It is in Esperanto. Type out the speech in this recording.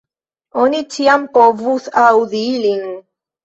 Oni ĉiam povus aŭdi ilin.